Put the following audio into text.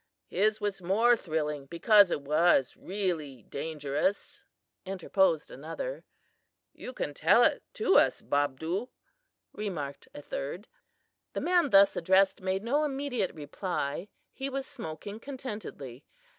"His was more thrilling, because it was really dangerous," interposed another. "You can tell it to us, Bobdoo," remarked a third. The man thus addressed made no immediate reply. He was smoking contentedly.